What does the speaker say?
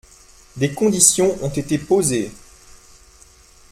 Des conditions ont été posées.